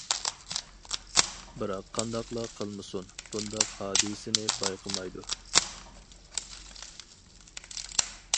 بىراق قانداقلا قىلمىسۇن، بۇنداق ھادىسىنى بايقىمايدۇ.